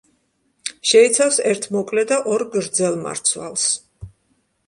შეიცავს ერთ მოკლე და ორ გრძელ მარცვალს.